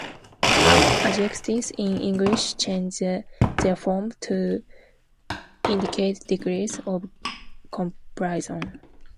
Adjectives in English change their form to indicate degrees of comparison.